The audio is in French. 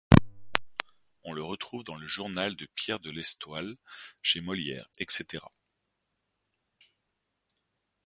On le retrouve dans le journal de Pierre de l'Estoile, chez Molière, etc.